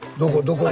どこ。